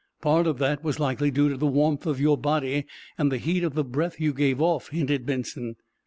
"Part of that was likely due to the warmth of your body, and the heat of the breath you gave off," hinted Benson.